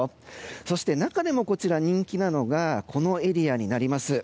そして中でもこちらで人気なのがこのエリアになります。